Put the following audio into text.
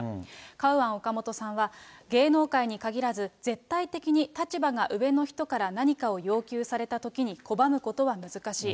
カウアン・オカモトさんは、芸能界に限らず、絶対的に立場が上の人から何かを要求されたときに拒むことは難しい。